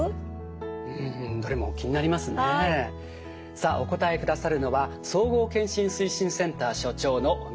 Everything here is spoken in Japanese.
さあお答えくださるのは総合健診推進センター所長の宮崎滋さんです。